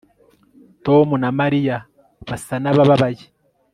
tom na mariya basa nabababaye